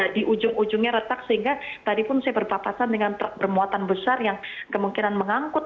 di ujung ujungnya retak sehingga tadi pun saya berpapasan dengan truk bermuatan besar yang kemungkinan mengangkut